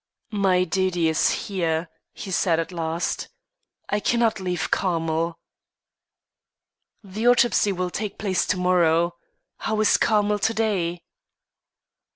"My duty is here," he said at last. "I cannot leave Carmel." "The autopsy will take place to morrow. How is Carmel to day?"